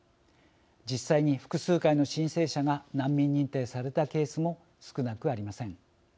実際に複数回の申請者が難民認定されたケースも少なくありません。